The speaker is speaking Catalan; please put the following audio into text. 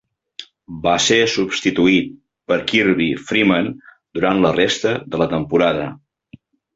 Va ser substituït per Kirby Freeman durant la resta de la temporada.